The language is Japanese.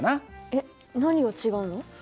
えっ何が違うの？